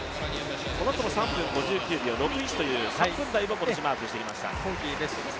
この人も３分５９秒６１という３分台をマークしてきました。